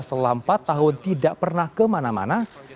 selama empat tahun tidak pernah kemana mana